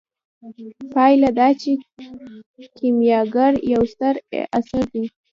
پایله دا چې کیمیاګر یو ستر اثر دی.